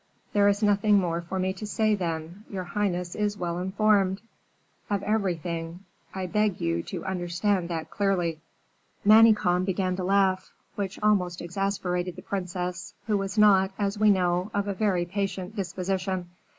"There is nothing more for me to say, then. Your highness is well informed." "Of everything. I beg you to understand that clearly." Manicamp began to laugh, which almost exasperated the princess, who was not, as we know, of a very patient disposition.